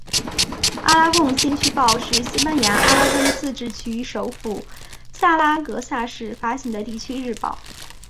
阿拉贡先驱报是西班牙阿拉贡自治区首府萨拉戈萨市发行的地区日报。